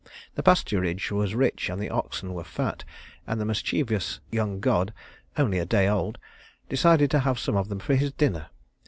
The pasturage was rich and the oxen were fat, and the mischievous young god only a day old decided to have some of them for his dinner.